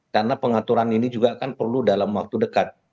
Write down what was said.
karena pengaturan ini juga akan perlu dalam waktu dekat